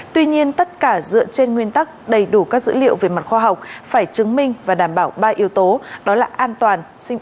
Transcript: tuy nhiên tất cả dựa trên nguyên tắc đầy đủ các dữ liệu về mặt khoa học phải chứng minh và đảm bảo ba yếu tố đó là an toàn sinh học